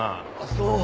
そう。